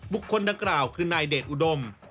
คนดังกล่าวคือนายเดชอุดม